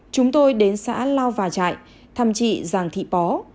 chúng tôi đến xã lao và trại thăm chị giàng thị bó